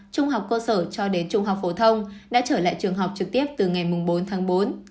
trung học cơ sở cho đến trung học phổ thông đã trở lại trường học trực tiếp từ ngày bốn tháng bốn